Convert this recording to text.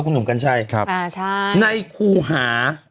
ในคู่หา